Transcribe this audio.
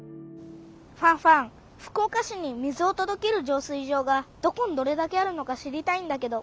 ファンファン福岡市に水をとどける浄水場がどこにどれだけあるのか知りたいんだけど。